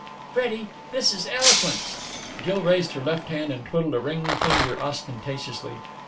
"Freddie! This is eloquence!" Jill raised her left hand, and twiddled a ringed finger ostentatiously.